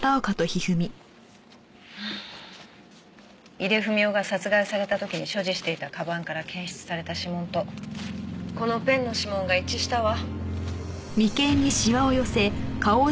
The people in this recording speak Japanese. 井出文雄が殺害された時に所持していた鞄から検出された指紋とこのペンの指紋が一致したわ。